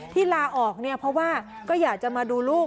ที่ลาออกเพราะว่าก็อยากจะมาดูลูก